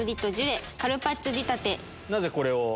なぜこれを？